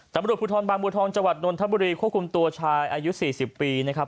ตำรวจภูทรบางบัวทองจังหวัดนนทบุรีควบคุมตัวชายอายุ๔๐ปีนะครับ